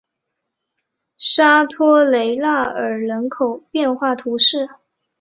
沙托雷纳尔人口变化图示